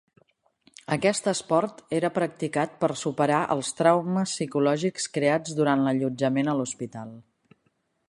Aquest esport era practicat per superar els traumes psicològics creats durant l'allotjament a l'hospital.